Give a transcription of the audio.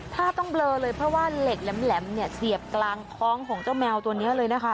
ถ้าต้องเบลอเลยเพราะว่าเหล็กแหลมเนี่ยเสียบกลางท้องของเจ้าแมวตัวนี้เลยนะคะ